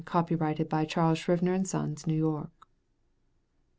Copyrighted by Charles Scribner's Sons, New York.